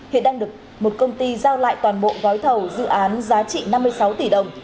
hiện đang được một công ty giao lại toàn bộ gói thầu dự án giá trị năm mươi sáu tỷ đồng